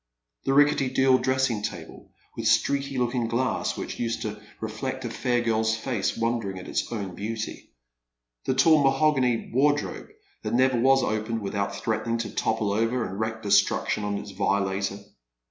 The rickety deal dressing table, the streaky looking ■ glass, which used to reflect a fair girl's face wondering at its own beauty. The tall mahogany wardrobe that never was opened without threatening to topple over and wreak destruction on its violator.